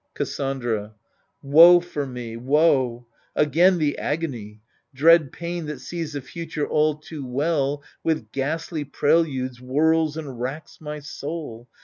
Cassandra Woe for me, woe ! Again the agony — Dread pain that sees the future all too well With ghastly preludes whirls and racks my soul.